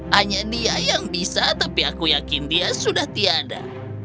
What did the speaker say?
hanya dia yang bisa tapi aku yakin dia sudah tiada